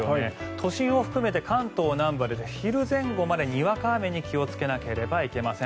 都心を含めて関東南部は昼前後までにわか雨に気をつけなければいけません。